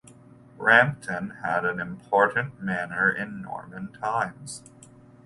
Rampton had an important manor in Norman times.